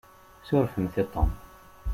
Surfemt i Tom.